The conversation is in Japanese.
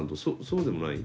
そうでもない？